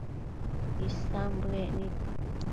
Isan bëec nid